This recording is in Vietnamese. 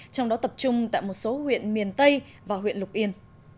trong đó tập trung tại một số huyện miền tây và huyện lục yên